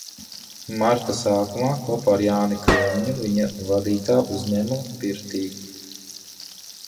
Marta sākumā kopā ar Jāni Krūmiņu viņa vadītā uzņēmuma pirtī.